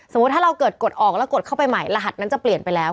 ถ้าเราเกิดกดออกแล้วกดเข้าไปใหม่รหัสนั้นจะเปลี่ยนไปแล้ว